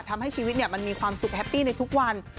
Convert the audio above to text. ทำให้ชีวิตมันมีความสุขแฮปปี้ในทุกวัน